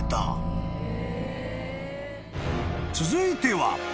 ［続いては］